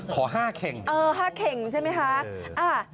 ขอ๕เข่ง๕เข่งใช่ไหมคะ